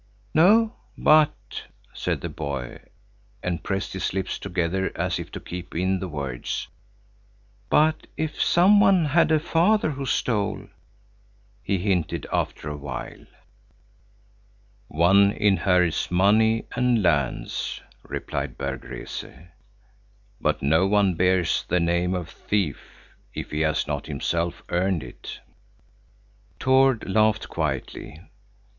"No; but," said the boy, and pressed his lips together as if to keep in the words, "but if some one had a father who stole," he hinted after a while. "One inherits money and lands," replied Berg Rese, "but no one bears the name of thief if he has not himself earned it." Tord laughed quietly.